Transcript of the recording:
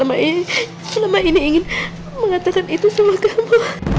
aku selama ini ingin mengatakan itu semua kamu